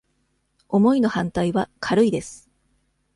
「重い」の反対は「軽い」です。